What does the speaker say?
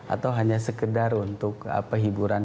atau hanya sekedar untuk hiburan